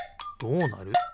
どうなる？